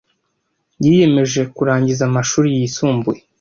Yiyemeje kurangiza amashuri yisumbuye.